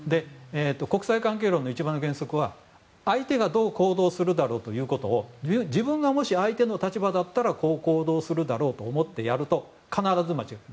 国際関係論の一番の原則は相手がどう行動するかを自分がもし相手の立場だったらこう行動するだろうと思ってやると、必ず間違える。